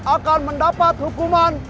akan mendapat hukuman